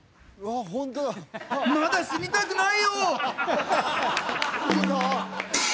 まだ死にたくないよ！